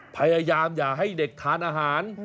พยายามอย่าให้เด็กทานอาหาร